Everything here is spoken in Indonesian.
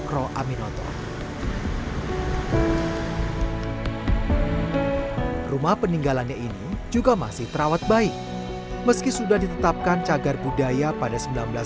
rumah peninggalannya ini juga masih terawat baik meski sudah ditetapkan cagar budaya pada